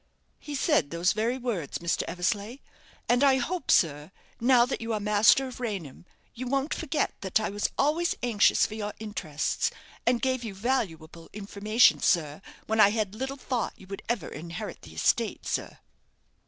"He said those very words, Mr. Eversleigh; and I hope, sir, now that you are master of Raynham, you won't forget that I was always anxious for your interests, and gave you valuable information, sir, when I little thought you would ever inherit the estate, sir."